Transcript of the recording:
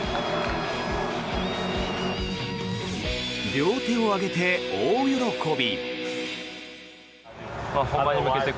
両手を上げて大喜び。